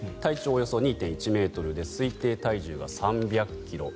およそ２．１ｍで推定体重が３００ｋｇ。